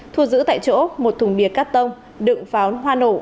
thu giữ tại chỗ một thùng bia cắt tông đựng pháo hoa nổ